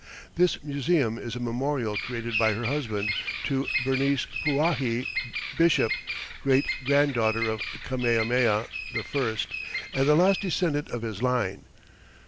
This museum is a memorial, created by her husband, to Bernice Pauahi Bishop, great granddaughter of Kamehameha I and the last descendant of his line.